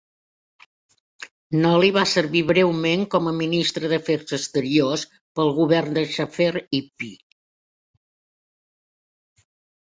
Noli va servir breument com Ministre d"afers exteriors pel govern de Xhafer Ypi.